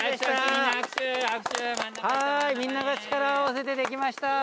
みんなが力を合わせてできました。